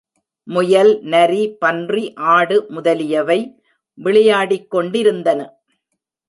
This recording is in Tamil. முயல், நரி, பன்றி, ஆடு முதலியவை விளையாடிக்கொண்டிருந்தன.